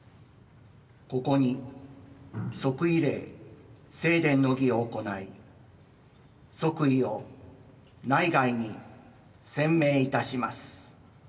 ここに即位礼正殿の儀を行い即位を内外に宣明いたします。